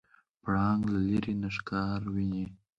پړانګ له لرې نه ښکار ویني.